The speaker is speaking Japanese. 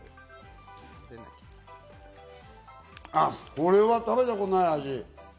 これは食べたことない味。